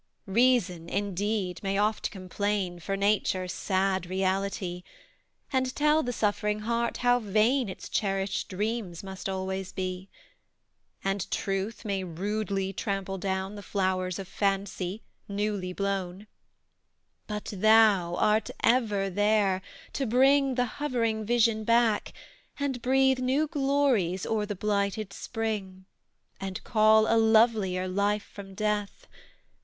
Reason, indeed, may oft complain For Nature's sad reality, And tell the suffering heart how vain Its cherished dreams must always be; And Truth may rudely trample down The flowers of Fancy, newly blown: But thou art ever there, to bring The hovering vision back, and breathe New glories o'er the blighted spring, And call a lovelier Life from Death.